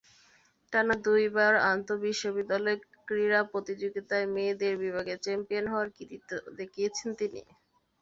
টানা দুবার আন্তবিশ্ববিদ্যালয় ক্রীড়া প্রতিযোগিতায় মেয়েদের বিভাগে চ্যাম্পিয়ন হওয়ার কৃতিত্ব দেখিয়েছেন তিনি।